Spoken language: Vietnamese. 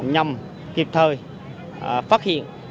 nhằm kịp thời phát hiện